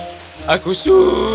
majikanku harus berlibur suatu hari